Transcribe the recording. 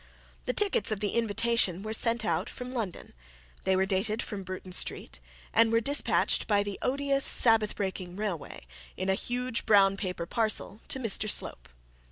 The tickets of invitation were sent out from London they were dated from Bruton Street, and were dispatched by the odious Sabbath breaking railway, in a huge brown paper parcel to Mr Slope.